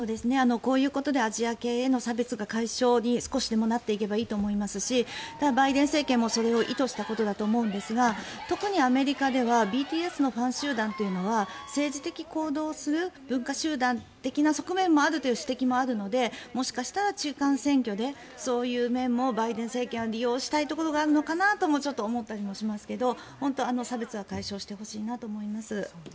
こういうことでアジア系への差別が解消に少しでもなっていけばいいと思いますしバイデン政権もそれを意図したことだと思うんですが特にアメリカではＢＴＳのファン集団というのは政治的行動をする文化集団的な側面もあるという指摘もあるのでもしかしたら中間選挙でそういう面もバイデン政権は利用したいところがあるのかなともちょっと思ったりもしますけど差別は解消してほしいなと思います。